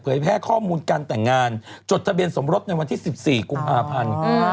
แพร่ข้อมูลการแต่งงานจดทะเบียนสมรสในวันที่๑๔กุมภาพันธ์